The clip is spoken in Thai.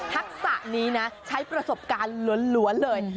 ทักษะนี้นะใช้ประสบการณ์ล้วนเลย